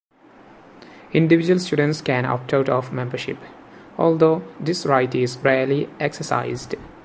Individual students can opt out of membership, although this right is rarely exercised.